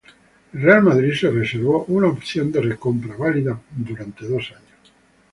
El Real Madrid se reservó una opción de recompra válida por dos años.